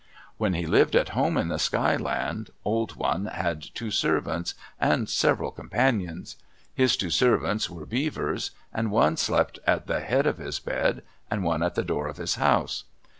When he lived at home in the Sky Land, Old One had two servants and several companions. His two servants were Beavers, and one slept at the head of his bed and one at the door of his house.